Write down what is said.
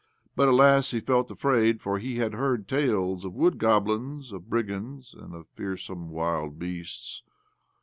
But, alas ! he felt afraid, for he had heard tales of wood goblins, of brigands, aлd of fearsome wild beasts.